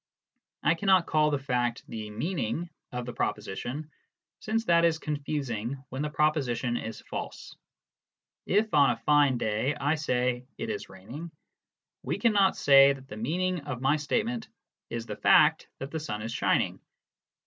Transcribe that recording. I cannot call the fact the " meaning " of the proposition, since that is confusing when the proposition is false : if on a fine day I say " it is raining," we cannot say that the meaning of my statement is the fact that the sun is shining.